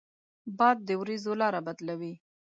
باد د ورېځو لاره بدلوي